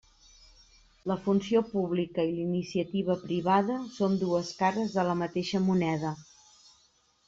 La funció pública i la iniciativa privada són dues cares de la mateixa moneda.